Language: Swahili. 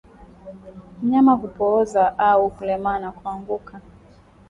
Mnyama hupooza au kulemaa na kuanguka